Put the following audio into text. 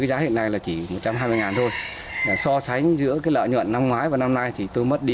giá hiện nay là chỉ một trăm hai mươi ngàn thôi so sánh giữa cái lợi nhuận năm ngoái và năm nay thì tôi mất đi